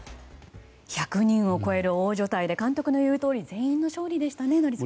１００人を超える大所帯で監督の言うとおり全員の勝利でしたね、宜嗣さん。